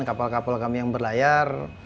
kapal kapal kami yang berlayar